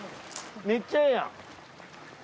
めっちゃええやん。